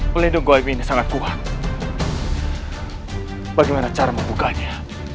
melindungi ini sangat kuat bagaimana cara membukanya